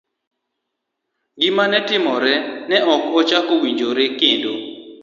Gima ne timore ok ne ochako owinjore kendo;